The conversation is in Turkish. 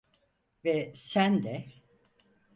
Ve sen de…